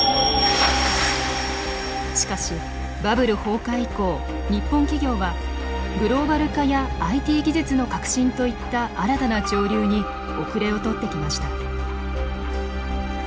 しかしバブル崩壊以降日本企業はグローバル化やＩＴ技術の革新といった新たな潮流に後れを取ってきました。